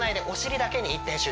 お尻だけに一点